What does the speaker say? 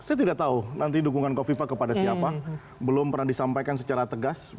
saya tidak tahu nanti dukungan kofifa kepada siapa belum pernah disampaikan secara tegas